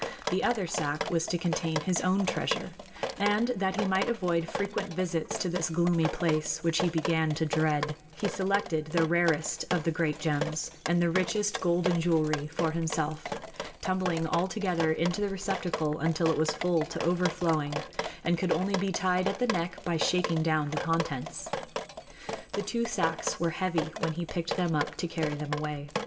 The other sack was to contain his own treasure, and that he might avoid frequent visits to this gloomy place, which he began to dread, he selected the rarest of the great gems and the richest golden jewelry for himself, tumbling all together into the receptacle until it was full to overflowing and could only be tied at the neck by shaking down the contents. The two sacks were heavy when he picked them up to carry them away.